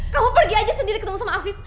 kamu pergi aja sendiri ketemu sama afif